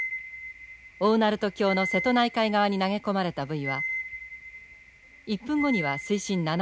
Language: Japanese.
大鳴門橋の瀬戸内海側に投げ込まれたブイは１分後には水深７ｍ。